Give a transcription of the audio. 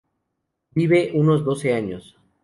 Vive unos doce años.